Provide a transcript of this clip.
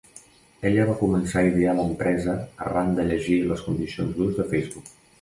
Ella va començar a idear l'empresa arran de llegir les condicions d'ús de Facebook.